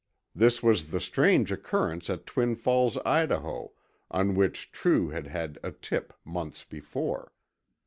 This was the strange occurrence at Twin Falls, Idaho, on which True had had a tip months before.